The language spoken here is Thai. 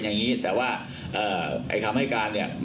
นะครับผมก็ต้องให้การว่าเขาให้การขัดแย้งข้อเรียกจริงนะครับ